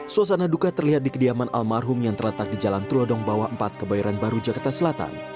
suasana duka terlihat di kediaman almarhum yang terletak di jalan tulodong bawah empat kebayoran baru jakarta selatan